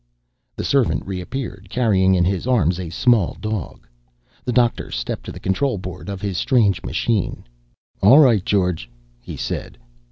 The servant reappeared, carrying in his arms a small dog. The doctor stepped to the control board of his strange machine. "All right, George," he said.